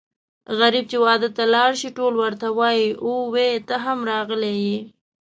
غريب چې واده ته لاړ شي ټول ورته وايي اووی ته هم راغلی یې.